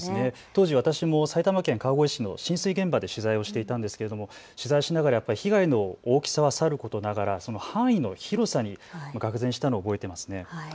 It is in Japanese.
当時、私も埼玉県川越市の浸水現場で取材をしていたんですけれども取材をしながら被害の大きさはさることながらその範囲の広さにがく然としたのを覚えていますね。